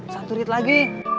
satu rit lagi